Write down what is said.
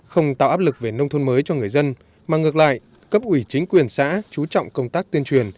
không tạo áp lực về nông thôn mới cho người dân mà ngược lại cấp ủy chính quyền xã chú trọng công tác tuyên truyền